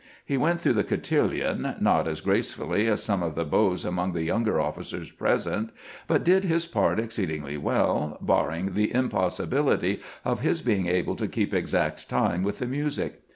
He went through the cotillion, not as gracefully as some of the beaux among the younger officers present, but did his part exceedingly well, barring the impossi bility of his being able to keep exact time with the music.